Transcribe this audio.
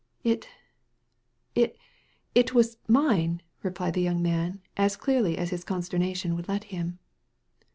" It — it — was — was mine," replied the young man, as clearly as his consternation would let him.